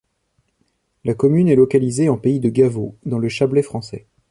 La commune est localisée en pays de Gavot, dans le Chablais français.